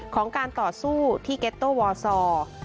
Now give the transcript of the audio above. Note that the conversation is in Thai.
ของการต่อสู้ที่เก็ตโต้วอร์ซอร์